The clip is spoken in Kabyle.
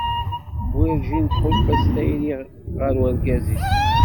Werǧin tḥulfa s tayri ɣer urgaz-is.